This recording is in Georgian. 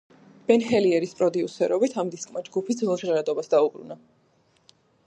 ბენ ჰილიერის პროდიუსერობით, ამ დისკმა ჯგუფი ძველ ჟღერადობას დაუბრუნა.